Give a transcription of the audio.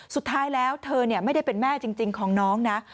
สุดท้ายแล้วเธอไม่ได้เป็นแม่จริงของน้องนะ